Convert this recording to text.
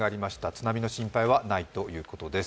津波の心配はないということです。